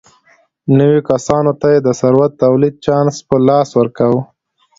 نویو کسانو ته یې د ثروت د تولید چانس په لاس ورکاوه.